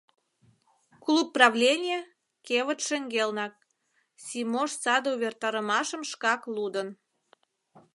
Клуб правление — кевыт шеҥгелнак, Симош саде увертарымашым шкак лудын.